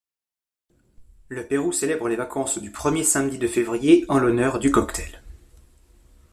Le Pérou célèbre les vacances du premier samedi de février en l'honneur du cocktail.